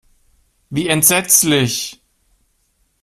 Wie entsetzlich!